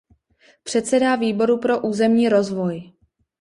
Předsedá Výboru pro územní rozvoj.